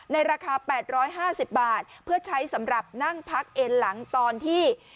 ในราคาแปดร้อยห้าสิบบาทเพื่อใช้สำหรับนั่งพักเอ็นหลังตอนที่